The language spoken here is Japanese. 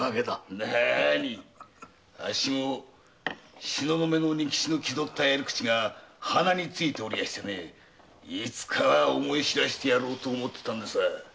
なあにあっしも東雲の仁吉の気取った遣り口が鼻についていつかは思い知らせてやろうと思っていたんですが。